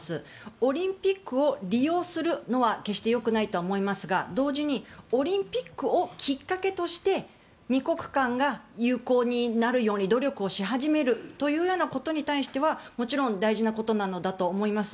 オリンピックを利用するのは決してよくないとは思いますが同時にオリンピックをきっかけとして２国間が友好になるように努力をし始めるというようなことに対してはもちろん大事なことなのだと思います。